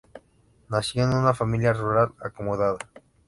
Nació en una familia rural acomodada.